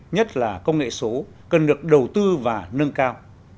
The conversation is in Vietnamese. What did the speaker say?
nhất là công nghệ số cần được đầu tư và nâng cao